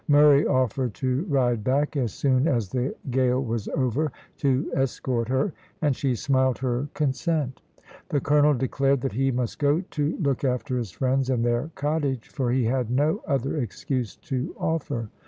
Murray offered to ride back as soon as the gale was over to escort her, and she smiled her consent. The colonel declared that he must go to look after his friends and their cottage, for he had no other excuse to offer.